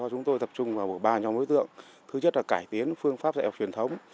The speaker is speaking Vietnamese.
chúng tôi tập trung vào ba nhóm đối tượng thứ nhất là cải tiến phương pháp dạy học truyền thống